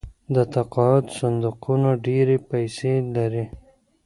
د تقاعد صندوقونه ډیرې پیسې لري.